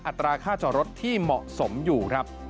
ตราค่าจอดรถที่เหมาะสมอยู่ครับ